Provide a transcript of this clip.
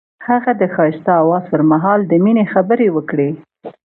هغه د ښایسته اواز پر مهال د مینې خبرې وکړې.